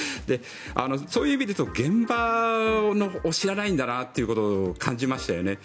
そういう意味で言うと現場を知らないんだなと感じましたよね。